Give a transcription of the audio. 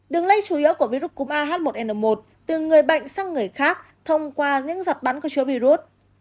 đường lây chủ yếu của virus cúm ah một n một từ người bệnh sang người khác thông qua những giọt bắn có chứa virus